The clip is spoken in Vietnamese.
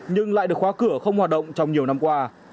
nhưng lại được khóa cửa không hoạt động trong nhiều năm qua